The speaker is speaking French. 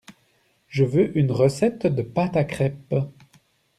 Je veux une recette de pâte à crêpes